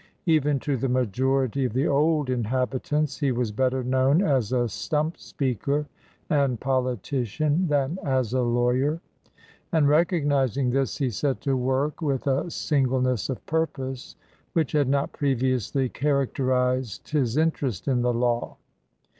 Even to the majority of the old inhabitants, he was better known as a stump speaker and politician than as a lawyer; and, recognizing this, he set to work with a single ness of purpose which had not previously charac terized his interest in the law.